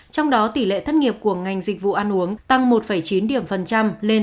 trong đó tỷ lệ thất nghiệp của ngành dịch vụ ăn uống tăng một chín lên tám một